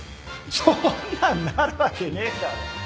そんなんなるわけねえだろ